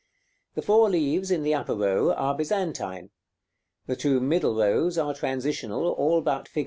The four leaves in the upper row are Byzantine; the two middle rows are transitional, all but fig.